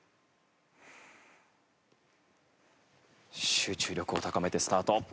集中力を高めてスタート。